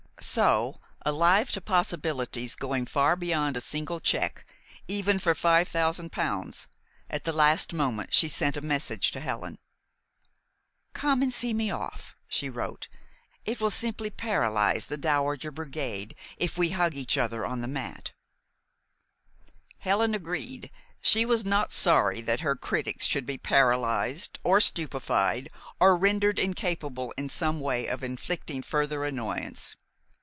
So, alive to possibilities going far beyond a single check, even for five thousand pounds, at the last moment she sent a message to Helen. "Come and see me off," she wrote. "It will simply paralyze the dowager brigade if we hug each other on the mat." Helen agreed. She was not sorry that her critics should be paralyzed, or stupefied, or rendered incapable in some way of inflicting further annoyance.